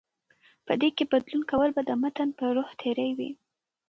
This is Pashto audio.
په دې کې بدلون کول به د متن پر روح تېری وي